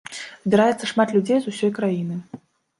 Збіраецца шмат людзей з усёй краіны.